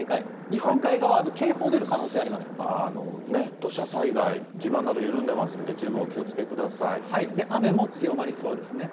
日本海側、警報出る可能性ありま土砂災害、地盤など緩んでま雨も強まりそうですね。